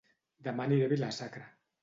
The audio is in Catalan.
Dema aniré a Vila-sacra